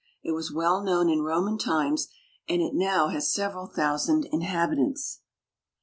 It was well known in Roman times, and it now has several thou sand inhabitants.